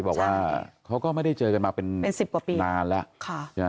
บอกว่าเขาก็ไม่ได้เจอกันมาเป็นนานแล้ว